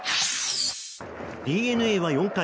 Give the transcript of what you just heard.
ＤｅＮＡは４回。